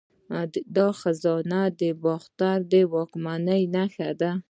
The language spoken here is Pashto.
دا خزانه د باختري واکمنۍ نښه ده